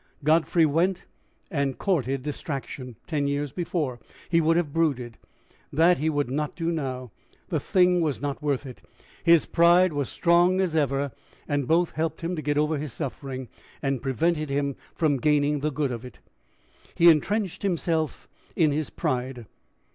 Godfrey went, and courted distraction. Ten years before, he would have brooded: that he would not do now: the thing was not worth it! His pride was strong as ever, and both helped him to get over his suffering, and prevented him from gaining the good of it. He intrenched himself in his pride.